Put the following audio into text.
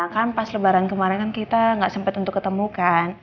kan pas lebaran kemarin kan kita gak sempet untuk ketemukan